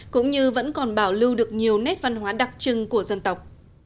cũng như vẫn còn bảo lưu được nhiều nét văn hóa đặc trưng của dân tộc